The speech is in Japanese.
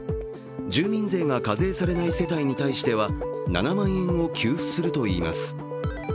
住民税が課税されない世帯に対しては７万円を給付するといいます。